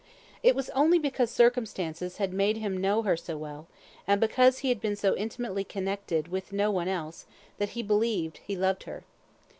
It was only because circumstances had made him know her so well, and because he had been so intimately connected with no one else, that he believed he loved her.